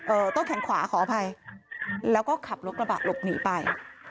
ต้นแขนขวาขออภัยแล้วก็ขับรถกระบะหลบหนีไป